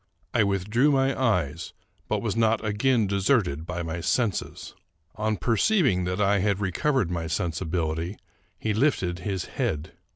I withdrew my eyes, but was not again deserted by my senses. On perceiving that I had recovered my sensibility, he lifted his head.